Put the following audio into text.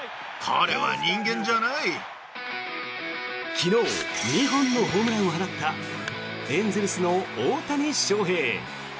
昨日２本のホームランを放ったエンゼルスの大谷翔平。